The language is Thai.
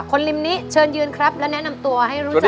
คนริมนี้เชินยืนครับแล้วแนะนำตัวให้รู้จักหน่อย